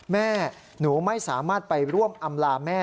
แม่หนูไม่สามารถไปร่วมอำลาแม่